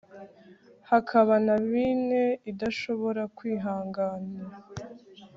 hakaba na bine idashobora kwihanganira